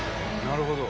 なるほど！